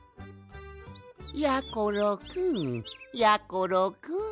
やころくんやころくん。